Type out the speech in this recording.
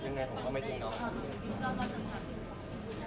แล้วก็สำคัญดีกว่า